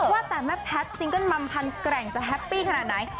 ว่าแต่แม่แพทย์ซิงเกิ้ลมัมพันแกร่งจะแฮปปี้ขนาดไหน